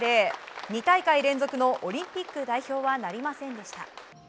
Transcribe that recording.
２大会連続のオリンピック代表はなりませんでした。